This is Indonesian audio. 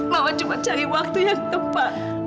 mama cuma cari waktu yang tepat